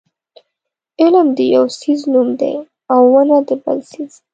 علم د یو څیز نوم دی او ونه د بل څیز.